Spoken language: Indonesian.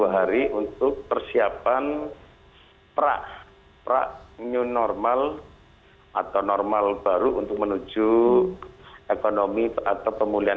sepuluh hari untuk persiapan pra pra new normal atau normal baru untuk menuju ekonomi atau pemulihan